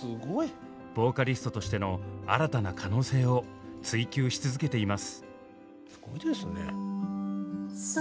ボーカリストとしての新たな可能性を追求し続けています。